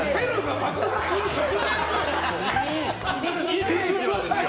イメージですよ。